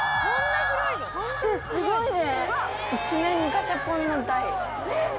すごいね！